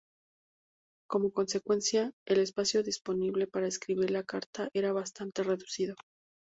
Como consecuencia, el espacio disponible para escribir la carta era bastante reducido.